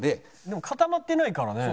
でも固まってないからね。